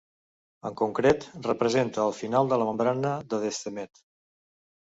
En concret, representa el final de la membrana de Descemet.